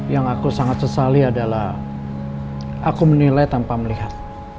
yang aku sangat sesali adalah aku menilai tanpa melihat